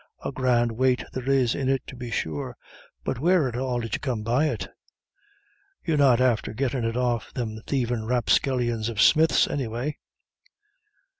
"A grand weight there's in it, to be sure. But where at all did you come by it? You're not after gettin' it off of thim thievin' rapscallions of Smiths, anyway?"